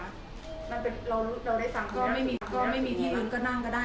มันเป็นเราได้สั่งไม่มีที่ยืนก็นั่งก็ได้ค่ะ